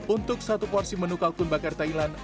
untuk satu porsi menu kalkun bakar thailand